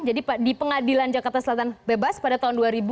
jadi di pengadilan jakarta selatan bebas pada tahun dua ribu